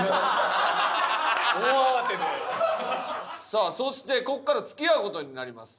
さあそしてここから付き合う事になります。